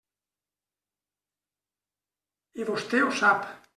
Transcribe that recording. I vostè ho sap.